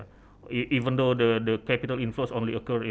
meskipun pengaruh kapital hanya terjadi